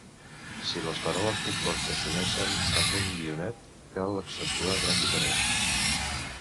Si les paraules compostes s’unixen amb un guionet, cal accentuar gràficament.